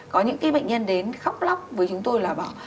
có những cái bệnh nhân đến khóc lóc với chúng tôi là bỏ